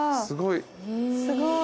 すごい。